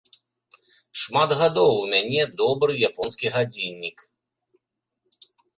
Шмат гадоў у мяне, добры японскі гадзіннік.